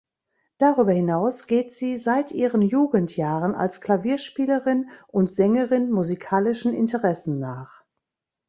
Darüber hinaus geht sie seit ihren Jugendjahren als Klavierspielerin und Sängerin musikalischen Interessen nach.